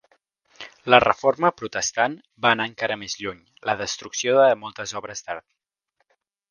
La Reforma protestant va anar encara més lluny, la destrucció de moltes obres d'art.